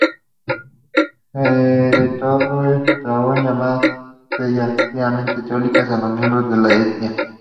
Herodoto y Estrabón llamaban peyorativamente trogloditas a los miembros de esta etnia.